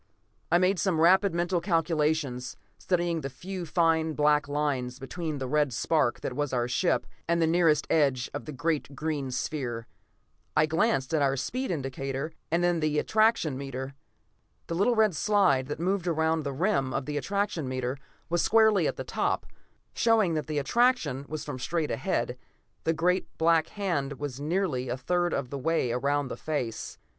I made some rapid mental calculations, studying the few fine black lines between the red spark that was our ship, and the nearest edge of the great green sphere. I glanced at our speed indicator and the attraction meter. The little red slide that moved around the rim of the attraction meter was squarely at the top, showing that the attraction was from straight ahead; the great black hand was nearly a third of the way around the face.